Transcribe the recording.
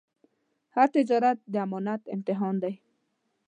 هر تجارت د امانت امتحان دی.